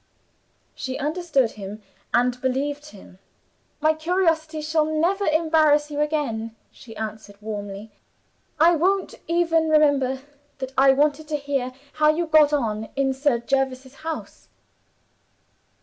She understood him and believed him. "My curiosity shall never embarrass you again," she answered warmly. "I won't even remember that I wanted to hear how you got on in Sir Jervis's house."